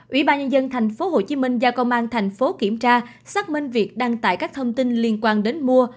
ủy ban nhân dân tp hcm do công an tp kiểm tra xác minh việc đăng tải các thông tin liên quan đến mua